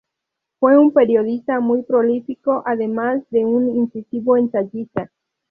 Fue un periodista muy prolífico, además de un incisivo ensayista.